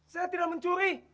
saya tidak mencuri